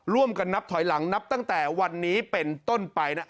นับถอยหลังนับตั้งแต่วันนี้เป็นต้นไปนะ